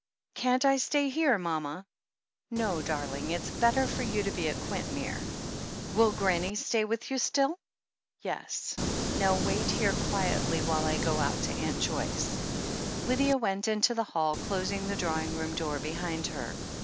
"Can't I stay here, mama?" "No, darling. It's better for you to be at Quint mere." "Will Grannie stay here with you still ?" "Yes. Now wait here quietly, while I go out to Aunt Joyce." Lydia went into the hall, closing the drawing room door behind her.